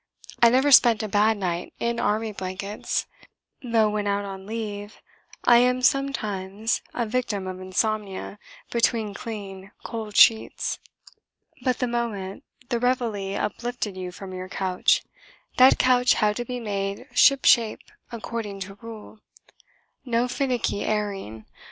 I never spent a bad night in army blankets, though when out on leave I am sometimes a victim of insomnia between clean cold sheets. But the moment the Réveillé uplifted you from your couch, that couch had to be made ship shape according to rule. No finicky "airing"!